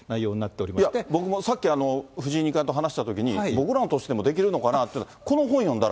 僕もさっき、藤井二冠と話したときに、僕らの年でもできるのかなと、この本読んだら。